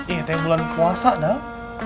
ini teh bulan puasa dang